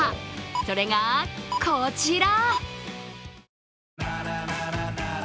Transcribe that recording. それがこちら。